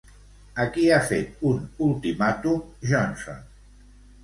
A qui ha fet un ultimàtum, Johnson?